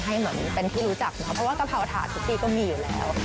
เหมือนเป็นที่รู้จักนะคะเพราะว่ากะเพราถาดทุกปีก็มีอยู่แล้ว